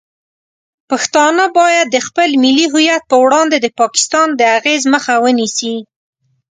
پښتانه باید د خپل ملي هویت په وړاندې د پاکستان د اغیز مخه ونیسي.